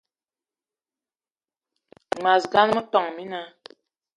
Mas gan, metόn mina